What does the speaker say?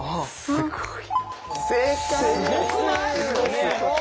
すごい。